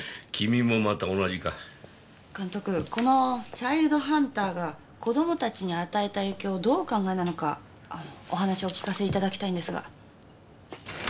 『チャイルドハンター』が子どもたちに与えた影響をどうお考えなのかお話をお聞かせいただきたいのですが。